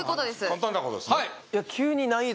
簡単なことですね